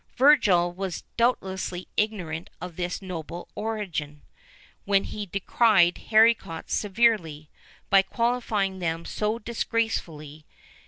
[VIII 21] Virgil was doubtless ignorant of this noble origin, when he decried haricots severely, by qualifying them so disgracefully.